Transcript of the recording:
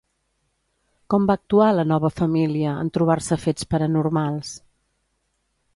Com va actuar, la nova família, en trobar-se fets paranormals?